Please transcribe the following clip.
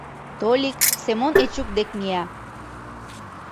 Толик Семон Эчук дек мия.